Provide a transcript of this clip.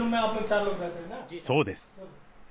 そうです。